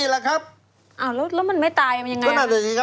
แล้วมันไม่ตายมันยังไง